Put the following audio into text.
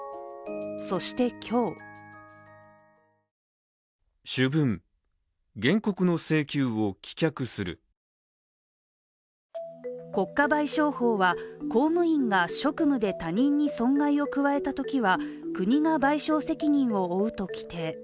そして今日国家賠償法は、公務員が職務で他人に損害を加えたときは国が賠償責任を負うと規定。